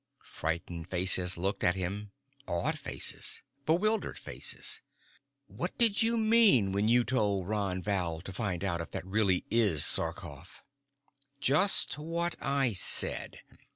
Frightened faces looked at him. Awed faces. Bewildered faces. "What did you mean when you told Ron Val to find out if that is really Sarkoff?" "Just what I said.